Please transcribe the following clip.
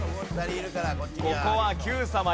ここはＱさま！！